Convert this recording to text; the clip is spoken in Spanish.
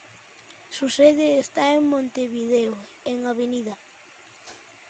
Su sede está en Montevideo, en Av.